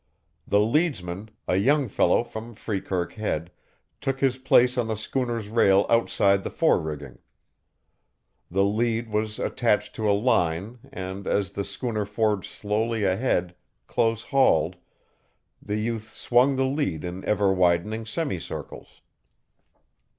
The leadsman, a young fellow from Freekirk Head, took his place on the schooner's rail outside the forerigging. The lead was attached to a line and, as the schooner forged slowly ahead, close hauled, the youth swung the lead in ever widening semicircles.